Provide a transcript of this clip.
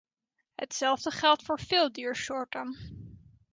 Hetzelfde geldt voor veel diersoorten.